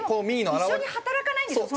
でも一緒に働かないんですよ？